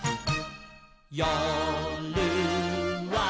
「よるは」